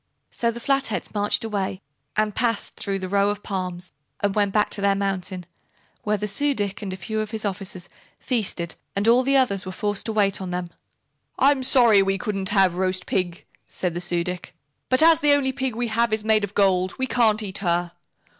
So the Flatheads marched away and passed through the row of palms and went back to their mountain, where the Su dic and a few of his officers feasted and all the others were forced to wait on them. "I'm sorry we couldn't have roast pig," said the Su dic, "but as the only pig we have is made of gold, we can't eat her.